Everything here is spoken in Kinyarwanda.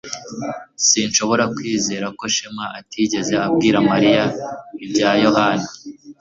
Sinshobora kwizera ko Shema atigeze abwira Mariya ibya Yohana